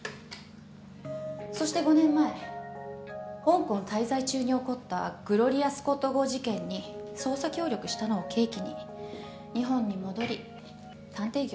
そして５年前香港滞在中に起こったグロリアスコット号事件に捜査協力したのを契機に日本に戻り探偵業を始めた。